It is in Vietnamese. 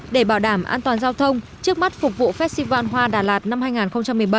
để bảo đảm an toàn giao thông trước mắt phục vụ festival hoa đà lạt năm hai nghìn một mươi bảy